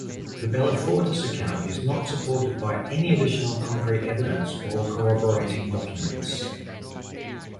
The "Bellifortis" account is not supported by any additional concrete evidence or corroborating documents.